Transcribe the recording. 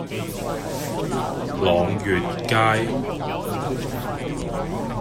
朗月街